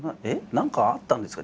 何かあったんですか？